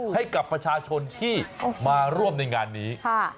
ให้กับประชาชนที่มาร่วมในงานนี้